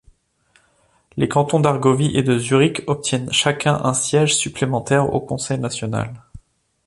Les cantons d'Argovie et de Zurich obtiennent chacun un siège supplémentaire au Conseil national.